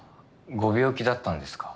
ご病気だったんですか？